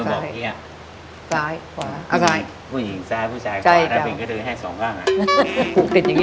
เหยียดมือให้ตรง